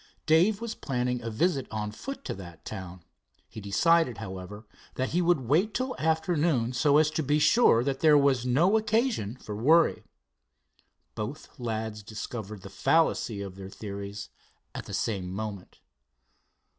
Dave was planning a visit on foot to that town. He decided, however, that he would wait till afternoon so as to be sure that there was no occasion for worry. Both lads discovered the fallacy of their theories at the same moment.